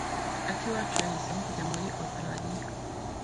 Akiwacu yahisemo kujya muri Ositaraliya.